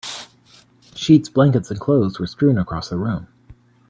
Sheets, blankets, and clothes were strewn across the room.